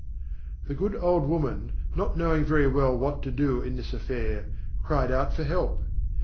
The good old woman not knowing very well what to do in this affair, cried out for help.